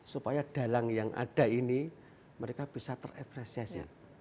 supaya dalang yang ada ini mereka bisa terapresiasi